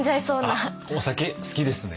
あっお酒好きですね？